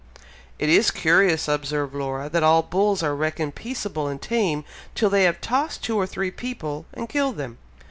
"It is curious," observed Laura, "that all bulls are reckoned peaceable and tame, till they have tossed two or three people, and killed them!"